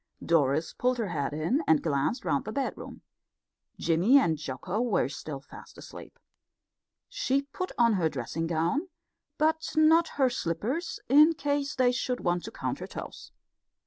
Doris pulled her head in and glanced round the bedroom. Jimmy and Jocko were still fast asleep. She put on her dressing gown, but not her slippers, in case they should want to count her toes.